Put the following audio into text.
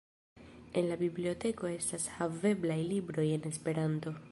En la biblioteko estas haveblaj libroj en Esperanto.